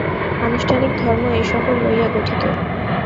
আনুষ্ঠানিক ধর্ম এই-সকল লইয়া গঠিত।